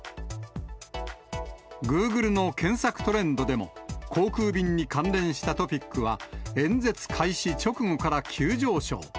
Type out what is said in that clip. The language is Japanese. グーグルの検索トレンドでも、航空便に関連したトピックは、演説開始直後から急上昇。